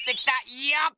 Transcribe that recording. いよっ。